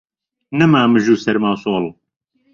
نەما مژ و سەرما و سۆڵ